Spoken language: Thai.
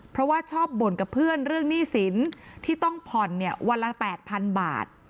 เพราะว่าชอบบ่นกับเพื่อนเรื่องหนี้สินที่ต้องผ่อนเนี่ยวันละ๘๐๐๐บาท